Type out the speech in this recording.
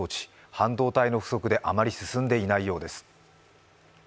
半導体の不足であまり進んでいないようです。